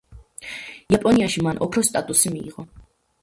იაპონიაში მან ოქროს სტატუსი მიიღო.